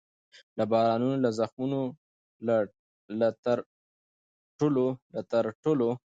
له بارونو له زخمونو له ترټلو